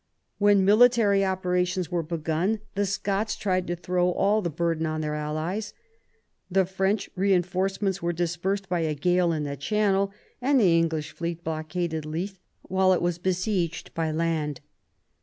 When military operations were begun, the Scots tried to throw all the burden on their allies. The French reinforce ments were dispersed by a gale in the Channel, and the English fleet blockaded Leith while it was besieged by land.